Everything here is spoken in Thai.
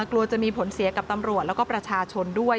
กลัวจะมีผลเสียกับตำรวจแล้วก็ประชาชนด้วย